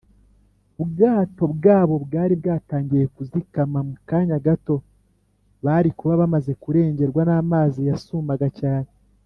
ubwato bwabo bwari bwatangiye kuzikama mu kanya gato bari kuba bamaze kurengerwa n’amazi yasumaga cyane